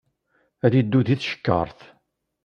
Ad iddu di tcekkaṛt.